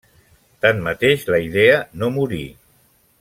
Tanmateix, la idea no morí.